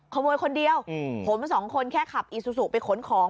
ขโมยคนเดียวผมสองคนแค่ขับอีซูซูไปขนของ